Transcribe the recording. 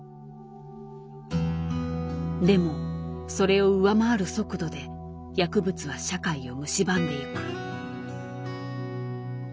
でもそれを上回る速度で薬物は社会をむしばんでゆく。